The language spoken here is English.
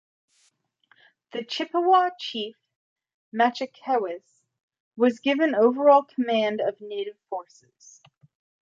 The Chippewa chief, Matchekewis, was given overall command of the native forces.